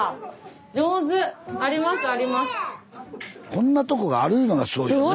こんなとこがあるいうのがすごいよね。